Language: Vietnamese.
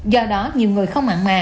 do đó nhiều người không mạng mà